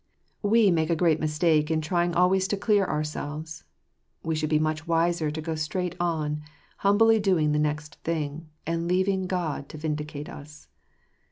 We make a great mistake in trying always to clear our selves ; we should be much wiser to go straight on, humbly doing the next thing, and leaving God to vindicate us.